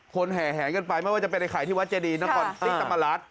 คนแห่งกันไปไม่ว่าจะเป็นไอ้ไข่ที่วัดเจดีนับก่อนติ๊กตำรัส